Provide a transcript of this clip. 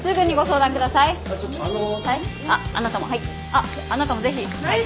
あっあなたもはい。